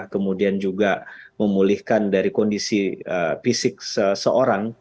kemudian juga memulihkan dari kondisi fisik seseorang